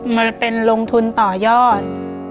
มันเป็นลงทุนต่อยอด